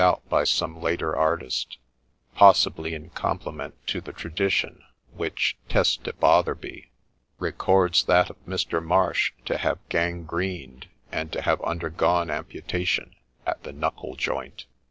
BOTHERBY'S STORY by some later artist ; possibly in compliment to the tradition, which, teste Botherby, records that of Mr. Marsh to have gangrened, and to have undergone amputation at the knuckle joint.